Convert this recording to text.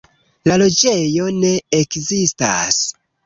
La loĝejo ne ekzistas.